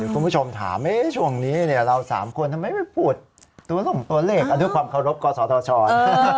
คุณผู้ชมถามช่วงนี้เนี่ยเราสามคนทำไมไม่พูดตัวหล่มตัวเล็กด้วยความเคารพกว่าสอเทาะช้อน